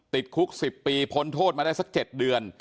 ติดคุก๑๐ปีพ้นโทษมาได้สัก๗เดือน